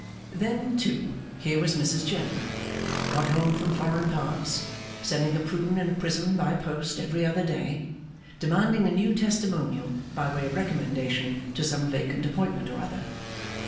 Then, too, here was Mrs General, got home from foreign parts, sending a Prune and a Prism by post every other day, demanding a new Testimonial by way of recommendation to some vacant appointment or other.